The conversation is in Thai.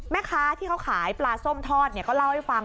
แม่ค้าที่เขาขายปลาส้มทอดก็เล่าให้ฟัง